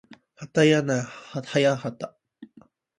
はたやなはやはた